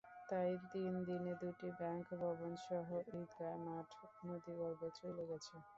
তাই তিন দিনে দুটি ব্যাংক ভবনসহ ঈদগাহ মাঠ নদীগর্ভে চলে গেছে।